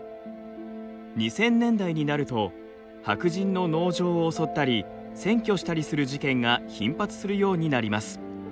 ２０００年代になると白人の農場を襲ったり占拠したりする事件が頻発するようになります。